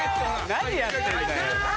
何やってんだよ。